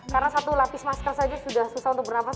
karena satu lapis masker saja sudah susah untuk bernafas